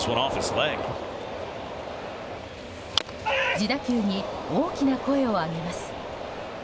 自打球に大きな声を上げます。